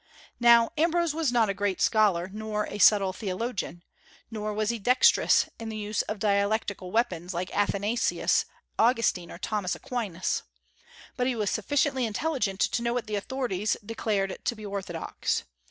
Now Ambrose was not a great scholar, nor a subtle theologian. Nor was he dexterous in the use of dialectical weapons, like Athanasius, Augustine, or Thomas Aquinas. But he was sufficiently intelligent to know what the authorities declared to be orthodox.